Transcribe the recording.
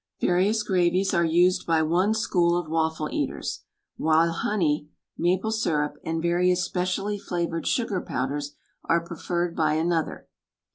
Various gravies are used by one school of waffle eaters ; while honey, maple syrup, and various specially flavored sugar powders are preferred by another.